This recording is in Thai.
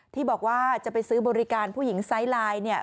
ที่บอกว่าจะไปซื้อบริการผู้หญิงไซส์ไลน์เนี่ย